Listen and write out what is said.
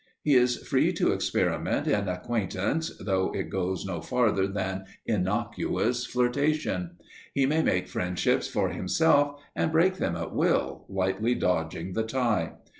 He is free to experiment in acquaintance though it goes no farther than innocuous flirtation. He may make friendships for himself and break them at will, lightly dodging the tie.